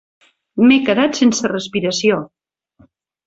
M'he quedat sense respiració!